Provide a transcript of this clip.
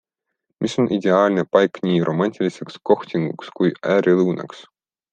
Mis on ideaalne paik nii romantiliseks kohtinguks kui ärilõunaks?